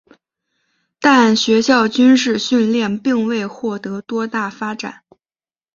但学校军事训练并未获得多大发展。